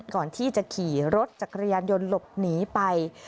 ก่อนที่จะขี่รถจักรยานยนต์หลบหนีไป